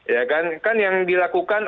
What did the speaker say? ya kan kan yang dilakukan